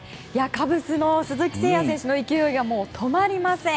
カブスの鈴木誠也選手の勢いが止まりません。